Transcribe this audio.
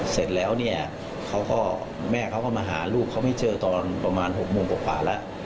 เสร็จแล้วเนี่ยเขาก็แม่เขาก็มาหาลูกเขาไม่เจอตอนประมาณ๖โมงกว่าแล้ว